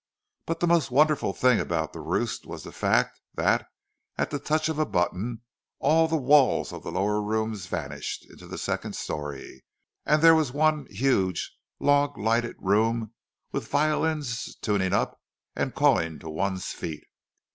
But the most wonderful thing about "The Roost" was the fact that, at a touch of a button, all the walls of the lower rooms vanished into the second story, and there was one huge, log lighted room, with violins tuning up and calling to one's feet.